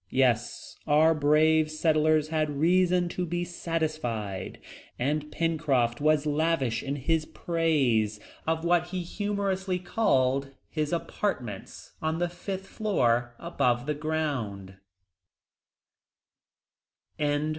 Yes, our brave settlers had reason to be satisfied, and Pencroft was lavish in his praise of what he humorously called, "his apartments on the fifth floor above the ground!"